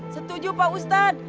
setuju pak ustadz